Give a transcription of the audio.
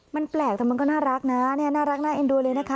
มันแปลกแต่มันก็น่ารักนะเนี่ยน่ารักน่าเอ็นดูเลยนะคะ